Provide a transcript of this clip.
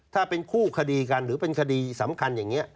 ถ้าเป็นคู่คดีกันหรือเป็นคดีสำคัญอย่างนี้